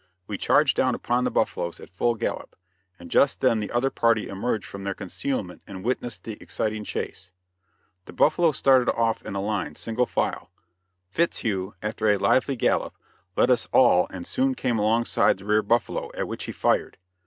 We charged down upon the buffaloes, at full gallop, and just then the other party emerged from their concealment and witnessed the exciting chase. The buffaloes started off in a line, single file. Fitzhugh, after a lively gallop, led us all and soon came alongside the rear buffalo, at which he fired.